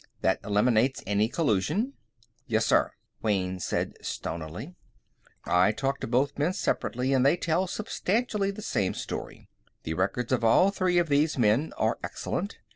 That eliminates any collusion." "Yes, sir," Wayne said stonily. "I talked to both men separately, and they tell substantially the same story. The records of all three of these men are excellent.